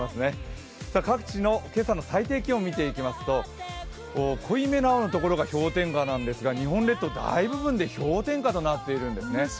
各地の今朝の最低気温を見ていきますと、濃いめの青のところが氷点下なんですが、日本列島大部分で氷点下となっています。